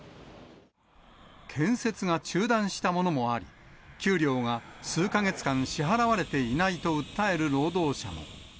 建設が中断したものもあり、給料が数か月間支払われていないと訴える労働者も。